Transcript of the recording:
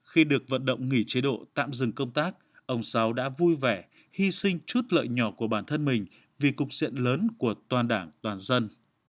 khi được vận động nghỉ chế độ tạm dừng công tác ông sáu đã vui vẻ hy sinh chút lợi nhỏ của bản thân mình vì cục diện lớn của toàn đảng toàn dân